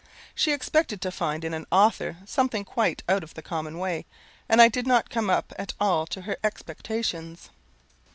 She expected to find in an author something quite out of the common way, and I did not come up at all to her expectations.